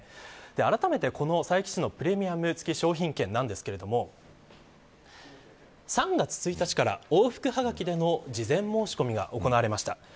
あらためて、この佐伯市のプレミアム付き商品券ですが３月１日から往復はがきでの事前申し込みが行われました。